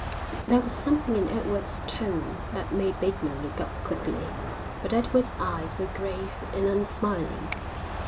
There was something in Edward's tone that made Bateman look up quickly, but Edward's eyes were grave and unsmiling.